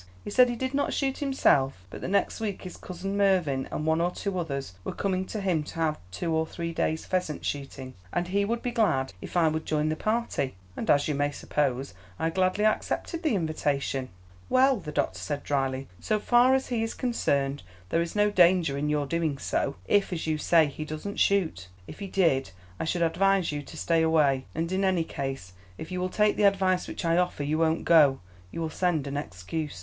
He said he did not shoot himself, but that next week his cousin Mervyn and one or two others were coming to him to have two or three days' pheasant shooting, and he would be glad if I would join the party; and, as you may suppose, I gladly accepted the invitation." "Well," the doctor said, drily, "so far as he is concerned, there is no danger in your doing so, if, as you say, he doesn't shoot. If he did, I should advise you to stay away; and in any case, if you will take the advice which I offer, you won't go. You will send an excuse."